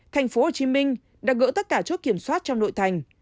tp hcm đã gỡ tất cả chốt kiểm soát trong nội thành